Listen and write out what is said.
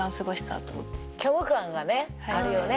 虚無感があるよね